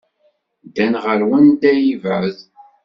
Ddan ɣer wanda ay yebɛed.